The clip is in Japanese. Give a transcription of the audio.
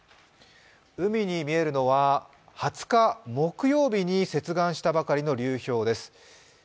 海に見えるのは、２０日木曜日に接岸したばかりの流氷です。